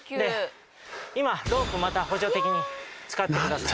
今ロープまた補助的に使ってください。